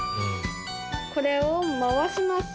これを回します。